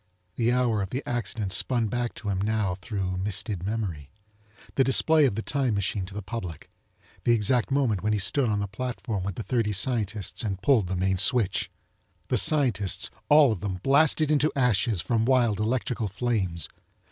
The hour of the accident spun back to him now thru misted memory. The display of the time machine to the public. The exact moment when he stood on the platform with the thirty scientists and pulled the main switch! The scientists, all of them, blasted into ashes from wild electrical flames!